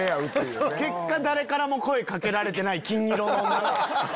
結果誰からも声掛けられてない金色の女。